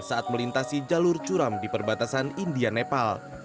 saat melintasi jalur curam di perbatasan india nepal